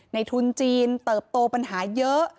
ทุนจีนเติบโตปัญหาเยอะ